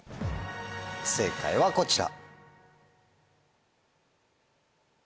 正解はこちら。